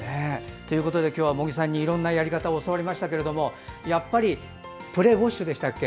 今日は茂木さんにいろんなやり方を教わりましたがやっぱりプレウォッシュでしたっけ